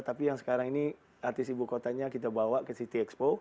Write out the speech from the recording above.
tapi yang sekarang ini artis ibu kotanya kita bawa ke city expo